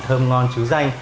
thơm ngon chứ danh